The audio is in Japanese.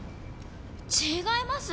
違います！